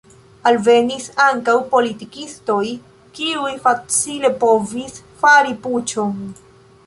Alvenis ankaŭ politikistoj, kiuj facile povis fari puĉon.